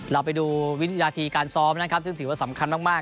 เราไปดูวินาทีการซ้อมนะครับซึ่งถือว่าสำคัญมาก